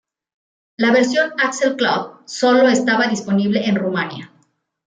La versión ""Axel Club"" sólo estaba disponible en Rumania.